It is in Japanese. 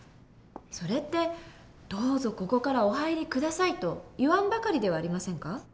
それって「どうぞここからお入り下さい」と言わんばかりではありませんか？